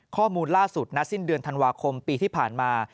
ข้อมูลล่าสุดณสิ้นเดือนธันวาคมปีที่ผ่านมา